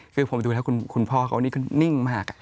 คือผมดูแล้วคุณพ่อเขานี่ก็นิ่งมาก